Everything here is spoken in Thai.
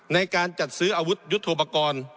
ในการจัดซื้ออาวุธยุทธโปรกรณ์